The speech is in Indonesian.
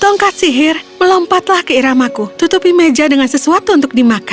tongkat sihir melompatlah ke iramaku tutupi meja dengan sesuatu untuk dimakan